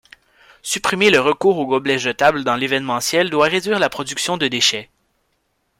Supprimer le recours au gobelet jetable dans l’événementiel doit réduire la production de déchets.